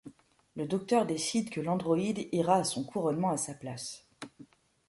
Le Docteur décide que l'androïde ira à son couronnement à sa place.